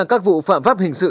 các vụ phạm pháp hình sự